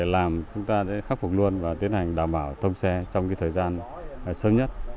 làm chúng ta sẽ khắc phục luôn và tiến hành đảm bảo thông xe trong thời gian sớm nhất